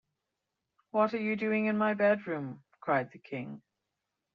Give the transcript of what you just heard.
“What are you doing in my bedroom?” cried the King.